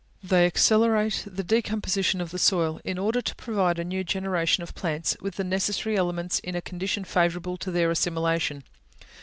They accelerate the decomposition of the soil, in order to provide a new generation of plants with the necessary elements in a condition favourable to their assimilation.